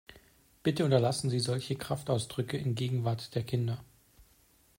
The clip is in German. Bitte unterlassen sie solche Kraftausdrücke in Gegenwart der Kinder!